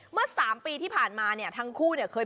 เมื่อ๓ปีที่ผ่านมาทั้งคู่เคยมาขอพร